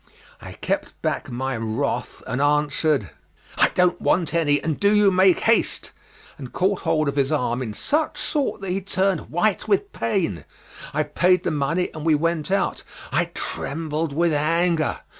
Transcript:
I kept back my wrath and answered, "I don't want any, and do you make haste!" and caught hold of his arm in such sort that he turned white with pain. I paid the money and we went out. I trembled with anger.